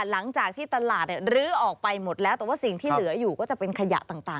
หลังจากที่ตลาดรื้อออกไปหมดแล้วแต่ว่าสิ่งที่เหลืออยู่ก็จะเป็นขยะต่าง